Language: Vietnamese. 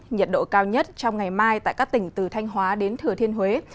nhiệt độ cao nhất trong ngày mai tại các tỉnh từ thanh hóa đến thừa thiên huế